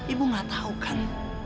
ibu nggak tahu kan